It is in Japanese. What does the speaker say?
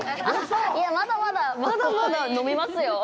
いや、まだまだ、まだまだ飲みますよ。